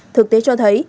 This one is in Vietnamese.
thực tế cho thấy